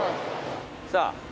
さあ